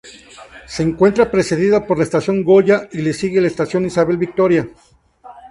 Se encuentra precedida por la Estación Goya y le sigue la Estación Isabel Victoria.